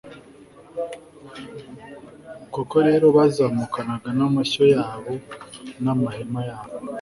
koko rero, bazamukanaga n'amashyo yabo n'amehema yabo